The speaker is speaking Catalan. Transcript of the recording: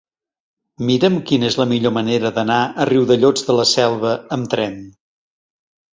Mira'm quina és la millor manera d'anar a Riudellots de la Selva amb tren.